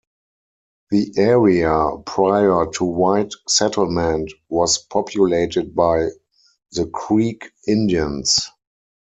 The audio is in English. The area prior to white settlement was populated by the Creek Indians.